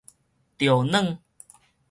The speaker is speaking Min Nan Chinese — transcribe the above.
趒軟